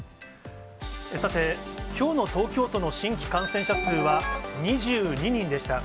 さて、きょうの東京都の新規感染者数は２２人でした。